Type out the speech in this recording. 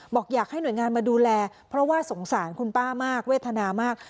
บอกอยากให้หน่วยงานมาดูแลเพราะว่าสงสารคุณป้ามากเวทนามาก